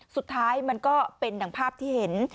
สุดท้ายมันก็เป็นดังภาพที่เห็น